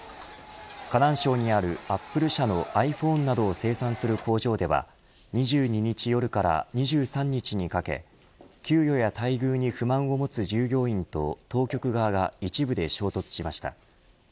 河南省にあるアップル社のｉＰｈｏｎｅなどを生産する工場では２２日夜から２３日にかけ給与や待遇に不満を持つ従業員と当局側が一部で衝突しました。